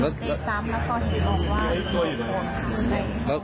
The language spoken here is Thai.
เกี่ยวกับเพื่อนแล้วแล้วเหมือนแกร่ลงได้เหมือนเด้อย